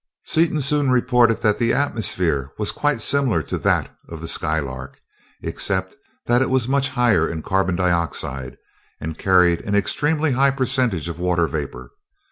Seaton soon reported that the atmosphere was quite similar to that of the Skylark, except that it was much higher in carbon dioxide and carried an extremely high percentage of water vapor.